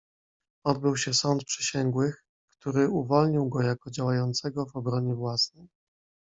"Odbył się sąd przysięgłych, który uwolnił go jako działającego w obronie własnej."